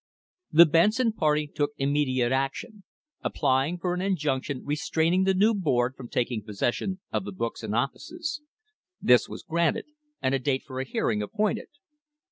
The Benson party took immediate action, applying for an injunction restraining the new board from taking possession of the books and offices. This was granted and a date for a hearing appointed.